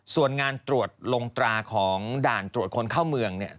ส่วนงานตรวจลงตราของด่านตรวจคนเข้าเมืองเนี่ย